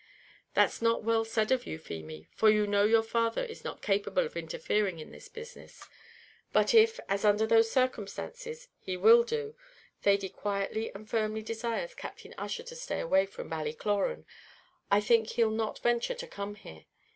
"That's not well said of you, Feemy; for you know your father is not capable of interfering in this business; but if, as under those circumstances he will do, Thady quietly and firmly desires Captain Ussher to stay away from Ballycloran, I think he'll not venture to come here.